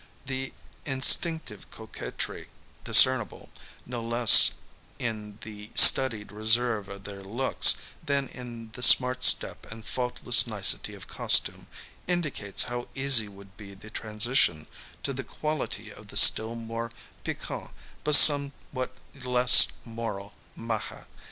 The instinctive coquetry discernible, no less in the studied reserve of their looks than in the smart step and faultless nicety of costume, indicates how easy would be the transition to the quality of the still more piquant but somewhat less moral maja.